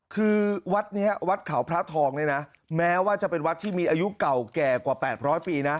คือวัดนี้วัดเขาพระทองเนี่ยนะแม้ว่าจะเป็นวัดที่มีอายุเก่าแก่กว่า๘๐๐ปีนะ